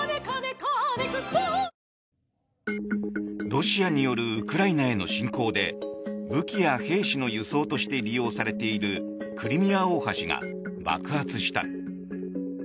ロシアによるウクライナへの侵攻で武器や兵士の輸送として利用されているクリミア大橋が爆発した。